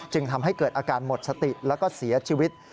จึงทำให้เกิดอาการหมดสติแล้วก็เสียชีวิต